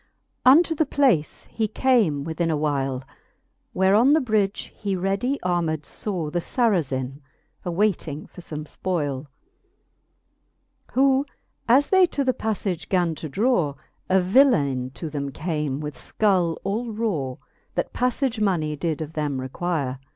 XI. Unto the place he came within a while, Where on the bridge he ready armed faw The Sarazin, awayting for fome fpol'e. Who as they to the paflage gan to draw, A villaine to them came with fcull all raw, That paffage money did of them require.